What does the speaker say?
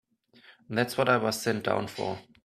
That's what I was sent down for.